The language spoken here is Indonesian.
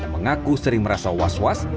mengaku sering merasa was was